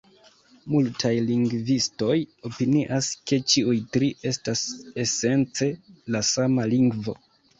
Multaj lingvistoj opinias, ke ĉiuj tri estas esence la sama lingvo.